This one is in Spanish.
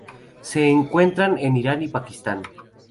Se encuentra en Irán y Pakistán.